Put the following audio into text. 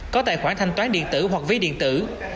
có tài khoản thanh toán điện tử hoặc ví điện tử